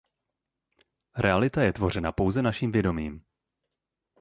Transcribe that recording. Realita je tvořena pouze naším vědomím.